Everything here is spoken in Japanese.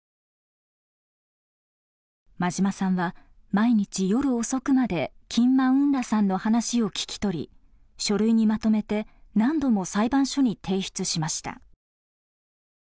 馬島さんは毎日夜遅くまでキン・マウン・ラさんの話を聞き取り書類にまとめて何度も裁判所に提出しました。